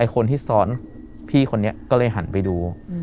คนที่ซ้อนพี่คนนี้ก็เลยหันไปดู